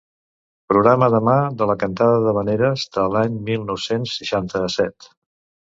Programa de mà de la Cantada d'Havaneres de l'any mil nou-cents seixanta-set.